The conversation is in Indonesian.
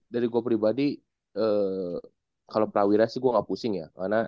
dari gua pribadi kalau lo dari grup ini itu sih kalau dari gua pribadi kalau lo dari grup ini